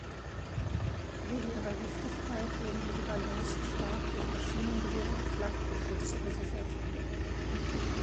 Wegen ihrer Wichtigkeit wurden diese Ballons stark durch Maschinengewehre und Flakgeschütze gesichert.